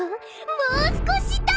もう少しだ！